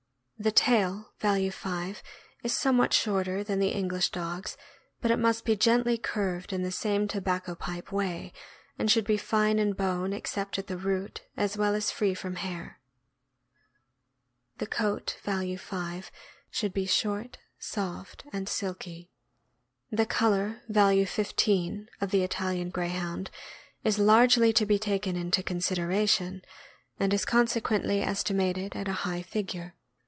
The tail (value 5) is somewhat shorter than the English dog's; but it must be gently curved in the same tobacco pipe way, and should be fine in bone except at the root, as well as free from hair. The coat (value 5) should be short, soft, and silky. The color (value 15) of the Italian Greyhound is largely to be taken into consideration, and is consequently esti mated at a high figure.